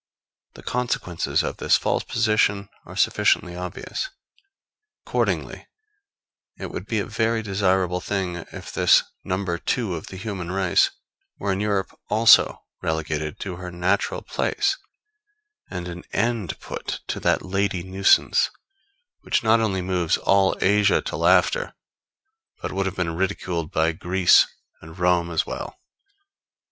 The consequences of this false position are sufficiently obvious. Accordingly, it would be a very desirable thing if this Number Two of the human race were in Europe also relegated to her natural place, and an end put to that lady nuisance, which not only moves all Asia to laughter, but would have been ridiculed by Greece and Rome as well.